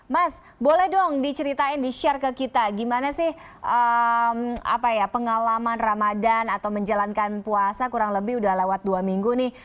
mas boleh dong diceritain di share ke kita gimana sih pengalaman ramadan atau menjalankan puasa kurang lebih udah lewat dua minggu nih